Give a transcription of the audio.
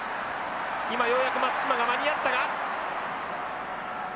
今ようやく松島が間に合ったが。